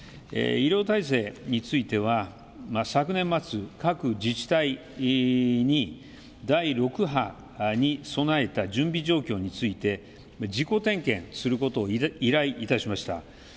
医療体制については昨年末、各自治体に第６波に備えた準備状況について自己点検することを依頼いたしました。